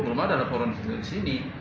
belum ada laporan disini